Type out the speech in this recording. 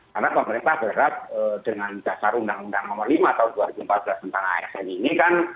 karena pemerintah berat dengan dasar undang undang nomor lima tahun dua ribu empat belas tentang asn ini kan